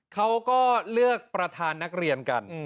เขาก็เลือกประธานนักเรียนกัน